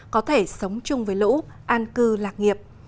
có thể sống chung với lũ an cư lạc nghiệp